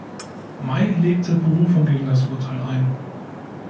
May legte Berufung gegen das Urteil ein.